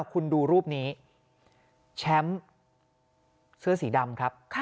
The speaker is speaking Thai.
คุณดูรูปนี้แชมป์เสื้อสีดำครับ